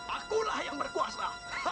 akulah yang berkuasa